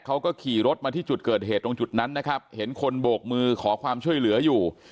เขาก็ขี่รถมาที่จุดเกิดเหตุตรงจุดนั้นนะครับเห็นคนโบกมือขอความช่วยเหลืออยู่